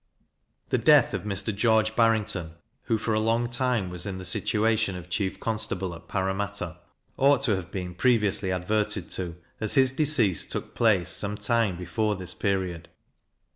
The death of Mr. George Barrington, who, for a long time, was in the situation of chief constable at Parramatta, ought to have been previously adverted to, as his decease took place some time before this period.